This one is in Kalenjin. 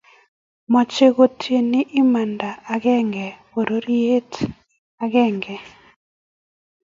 much kotinyei imanda agenge bororie agenge